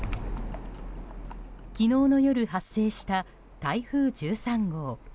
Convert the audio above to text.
昨日の夜、発生した台風１３号。